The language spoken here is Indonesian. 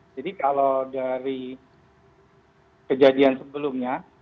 jadi kalau dari kejadian sebelumnya